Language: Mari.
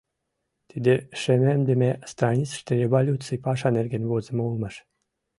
Тиде шемемдыме страницыште революций паша нерген возымо улмаш...